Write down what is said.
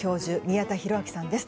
宮田裕章さんです。